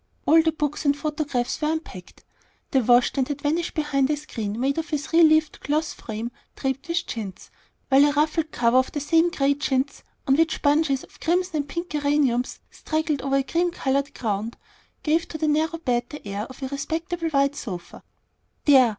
All the books and the photographs were unpacked, the washstand had vanished behind a screen made of a three leaved clothes frame draped with chintz, while a ruffled cover of the same gay chintz, on which bunches of crimson and pink geraniums straggled over a cream colored ground, gave to the narrow bed the air of a respectable wide sofa. "There!